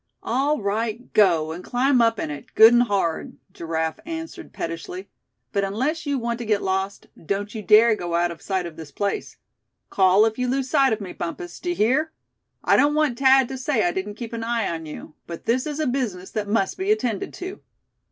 "All right, go, and climb up in it, good and hard," Giraffe answered pettishly; "but unless you want to get lost, don't you dare go out of sight of this place. Call if you lose sight of me, Bumpus, d'ye hear? I don't want Thad to say I didn't keep an eye on you; but this is a business that must be attended to."